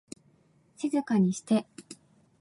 静かにして